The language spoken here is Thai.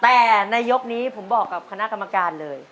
แต่ในยกนี้ผมบอกกับคณะกรรมการเลย